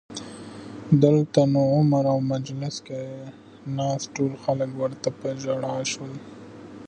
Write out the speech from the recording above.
دلته نو عمر او مجلس کې ناست ټول خلک ورته په ژړا شول